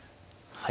はい。